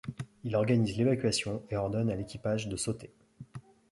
Il organise l'évacuation et ordonne à l'équipage de sauter.